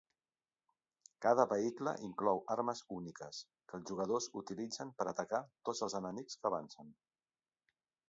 Cada vehicle inclou armes úniques, que els jugadors utilitzen per atacar tots els enemics que avancen.